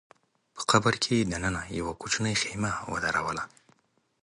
په قبر کي دننه يې يوه کوچنۍ خېمه ودروله